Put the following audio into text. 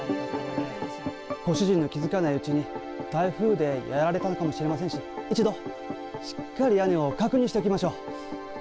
ご主人の気付かないうちに台風でやられたのかもしれませんし、一度、しっかり屋根を確認しておきましょう。